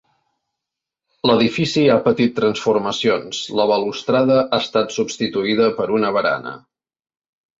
L'edifici ha patit transformacions, la balustrada ha estat substituïda per una barana.